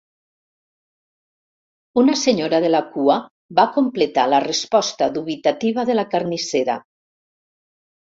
Una senyora de la cua va completar la resposta dubitativa de la carnissera.